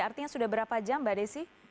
artinya sudah berapa jam mbak desi